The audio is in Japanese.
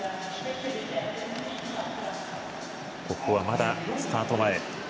ここは、まだスタート前。